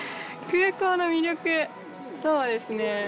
空港の魅力そうですね